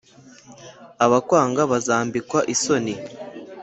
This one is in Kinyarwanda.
abakwanga bazambikwa isoni,